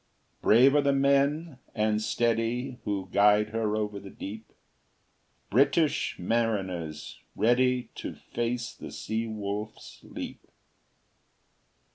Brave are the men, and steady, Who guide her over the deep, British mariners, ready To face the sea wolf's leap.